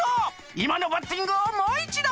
いまのバッティングをもういちど！